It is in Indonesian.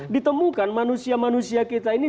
ditemukan manusia manusia kita ini